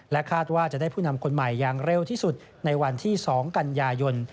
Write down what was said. คาดว่าจะได้ผู้นำคนใหม่อย่างเร็วที่สุดในวันที่๒กันยายน